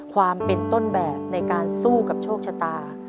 ความเป็นต้นแบบในการสู้กับโชคชะตา